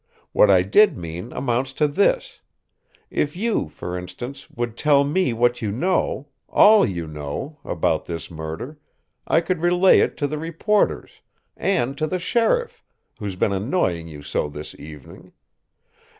What I did mean amounts to this: if you, for instance, would tell me what you know all you know about this murder, I could relay it to the reporters and to the sheriff, who's been annoying you so this evening.